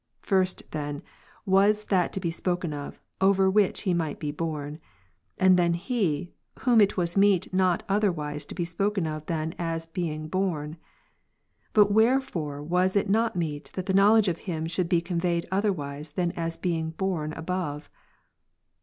First then was that to be spoken of, over which He might be borne; and then He, whom it was meet not otherwise to be spoken of than as being borne. But wherefore was it not meet that the knowledge of Him should be conveyed otherwise, than as being borne above